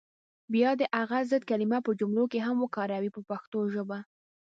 بیا دې هغه ضد کلمې په جملو کې هم وکاروي په پښتو ژبه.